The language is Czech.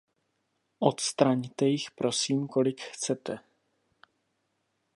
Odstraňte jich, prosím, kolik chcete.